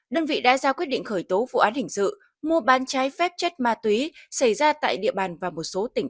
đơn vị đã ra quyết định khởi tố vụ án hình sự mua bán trái phép chất ma túy xảy ra tại địa bàn và một số tỉnh